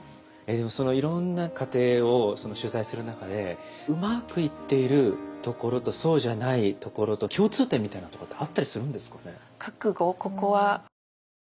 でもそのいろんな家庭を取材する中でうまくいっているところとそうじゃないところと共通点みたいなとこってあったりするんですかね。